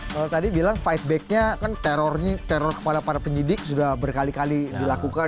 kalau tadi bilang fight back nya kan teror kepada para penyidik sudah berkali kali dilakukan